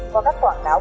có các quảng cáo